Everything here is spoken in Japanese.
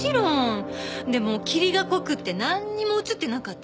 でも霧が濃くってなんにも映ってなかったわ。